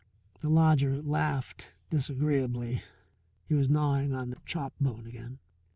The lodger laughed disagreeably, he was gnawing on the chop bone again.